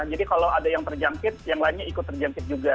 jadi kalau ada yang terjamkit yang lainnya ikut terjamkit juga